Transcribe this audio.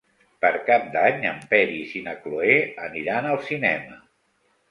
Per Cap d'Any en Peris i na Cloè aniran al cinema.